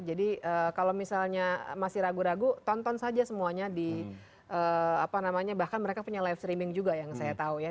jadi kalau misalnya masih ragu ragu tonton saja semuanya di apa namanya bahkan mereka punya live streaming juga yang saya tahu ya